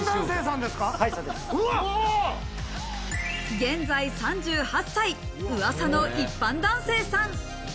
現在３８歳、噂の一般男性さん。